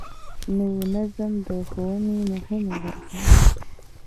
نوی نظم د ښوونې مهمه برخه ده